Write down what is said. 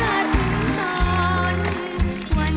เสียงรัก